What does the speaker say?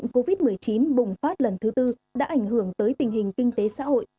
covid một mươi chín bùng phát lần thứ tư đã ảnh hưởng tới tình hình kinh tế xã hội